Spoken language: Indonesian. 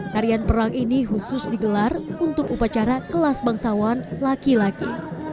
tarian perang ini khusus digelar untuk upacara kelas bangsawan laki laki